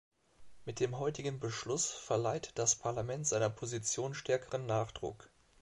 Mit dem heutigen Beschluss verleiht das Parlament seiner Position stärkeren Nachdruck.